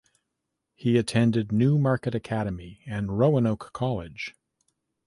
He attended New Market Academy and Roanoke College.